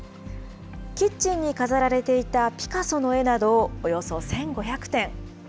キッチンに飾られていたピカソの絵など、およそ１５００点。